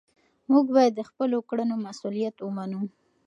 موږ باید د خپلو کړنو مسؤلیت ومنو.